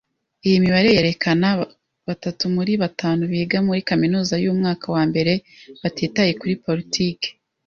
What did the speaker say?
Iyi mibare yerekana batatu muri batanu biga muri kaminuza yumwaka wa mbere batitaye kuri politiki.